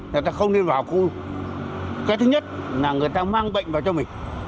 người ta không nên vào khu cái thứ nhất là người ta mang bệnh vào cho mình